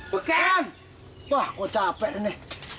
beken wah kok capek deh nih